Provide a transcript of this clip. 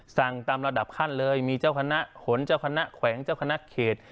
ตามระดับขั้นเลยมีเจ้าคณะหนเจ้าคณะแขวงเจ้าคณะเขต